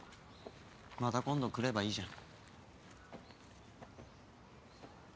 また今度来ればいいじゃん。